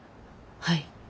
はい。